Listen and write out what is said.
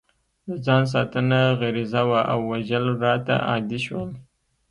د ځان ساتنه غریزه وه او وژل راته عادي شول